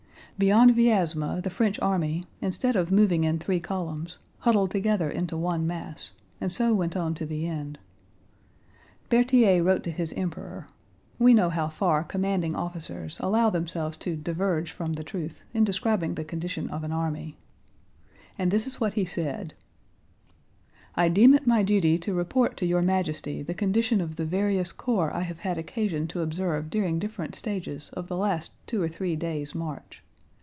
Beyond Vyázma the French army instead of moving in three columns huddled together into one mass, and so went on to the end. Berthier wrote to his Emperor (we know how far commanding officers allow themselves to diverge from the truth in describing the condition of an army) and this is what he said: I deem it my duty to report to Your Majesty the condition of the various corps I have had occasion to observe during different stages of the last two or three days' march.